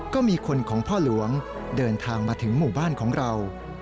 ก็มีคนของพ่อหลวงเดินทางมาถึงหมู่บ้านของเรา